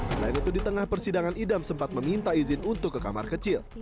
selain itu di tengah persidangan idam sempat meminta izin untuk ke kamar kecil